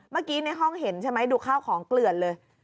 เมื่อกี้ในห้องเห็นใช่ไหมดูข้าวของเกลือนเลย